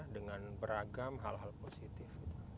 dengan beragam hal hal positif